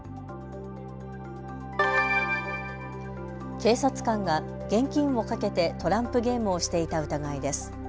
警察官が現金を賭けてトランプゲームをしていた疑いです。